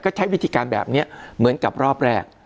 ก็ใช้วิธีการแบบนี้เหมือนกับรอบแรก